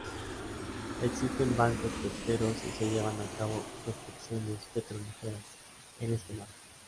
Existen bancos pesqueros y se llevan a cabo prospecciones petrolíferas en este mar.